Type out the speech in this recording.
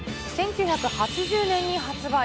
１９８０年に発売。